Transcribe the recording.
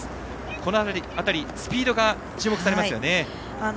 この辺り、スピードが注目されますね。